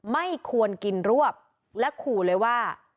ไม่ควรกินรวบและขู่เลยว่า